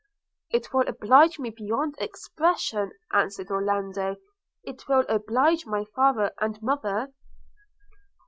'It will oblige me beyond expression,' answered Orlando; 'it will oblige my father and mother.'